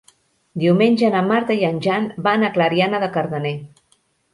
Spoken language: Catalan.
Diumenge na Marta i en Jan van a Clariana de Cardener.